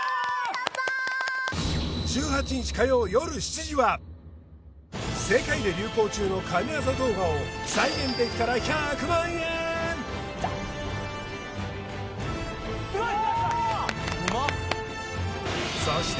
やったー！は世界で流行中の神業動画を再現できたら１００万円・うまい！